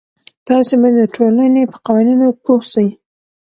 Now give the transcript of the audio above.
تاسې به د ټولنې په قوانینو پوه سئ.